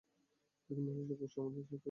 তিনি মহিলা শিক্ষক সমাজের নেতৃত্ব দিয়েছিলেন।